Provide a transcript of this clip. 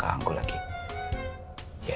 jadi jangan lupa like comment dan subscribe ya